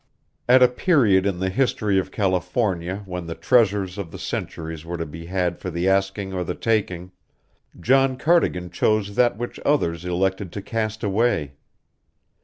At a period in the history of California when the treasures of the centuries were to be had for the asking or the taking, John Cardigan chose that which others elected to cast away.